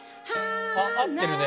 「合ってるね。